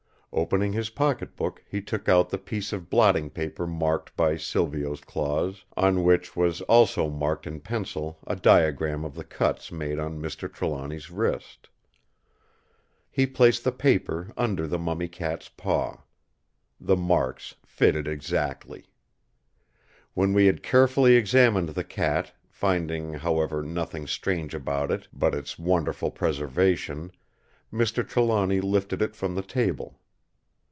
Opening his pocket book, he took out the piece of blotting paper marked by Silvio's claws, on which was also marked in pencil a diagram of the cuts made on Mr. Trelawny's wrist. He placed the paper under the mummy cat's paw. The marks fitted exactly. When we had carefully examined the cat, finding, however, nothing strange about it but its wonderful preservation, Mr. Trelawny lifted it from the table.